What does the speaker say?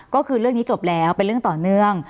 ก็คือเรื่องนี้จบแล้วเป็นเรื่องต่อเนื่อง